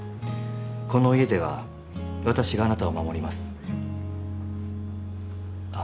この家では私があなたを守りますあっ